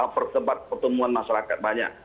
perkembang pertemuan masyarakat banyak